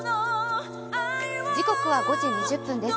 時刻は５時２０分です。